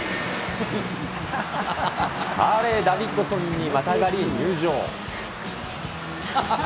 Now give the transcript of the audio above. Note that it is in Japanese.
ハーレーダビッドソンにまたがり、入場。